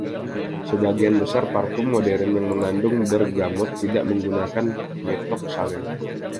Sebagian besar parfum modern yang mengandung bergamot tidak menggunakan Methoxsalen.